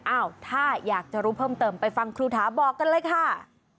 อ้าวถ้าอยากจะรู้เพิ่มเติมไปฟังครูถาบอกกันเลยค่ะ